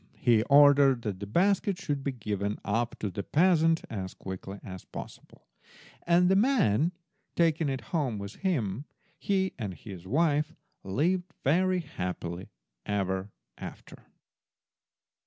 He ordered that the basket should be given up to the peasant as quickly as possible, and the man taking it home with him, he and his wife lived very happily ever after.